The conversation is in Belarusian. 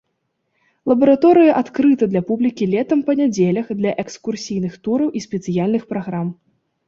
Лабараторыя адкрыта для публікі летам па нядзелях для экскурсійных тураў і спецыяльных праграм.